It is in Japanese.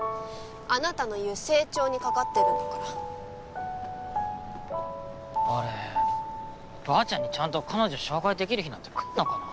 あなたの言う成長に懸かってるんだから俺ばあちゃんにちゃんと彼女紹介できる日なんて来んのかな？